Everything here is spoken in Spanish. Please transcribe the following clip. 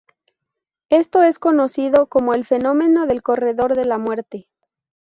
Esto es conocido como el fenómeno del corredor de la muerte.